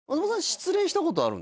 失恋したことある？